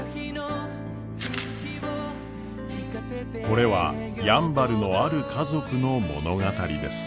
これはやんばるのある家族の物語です。